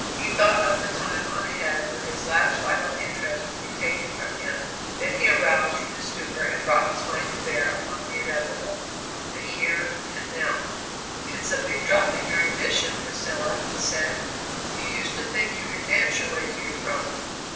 He thought of the time on ahead when his last vital interest would be taken from him. Then he aroused from his stupor and brought his mind to bear upon the inevitable; the here and now. "It's a big drop in your ambition, Priscilla," he said; "you used to think you could dance your way to your throne."